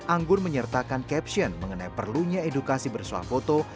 anggun menyertakan caption mengenai perlunya edukasi bersuah foto